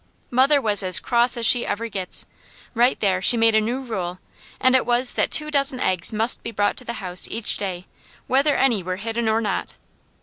Mother was as cross as she ever gets. Right there she made a new rule, and it was that two dozen eggs must be brought to the house each day, whether any were hidden or not.